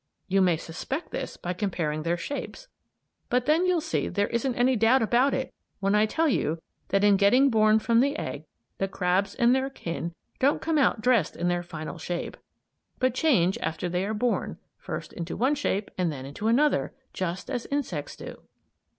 You may suspect this by comparing their shapes, but then you'll see there isn't any doubt about it when I tell you that in getting born from the egg, the crabs and their kin don't come out dressed in their final shape, but change after they are born, first into one shape and then into another, just as insects do.